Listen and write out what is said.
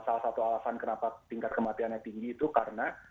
salah satu alasan kenapa tingkat kematiannya tinggi itu karena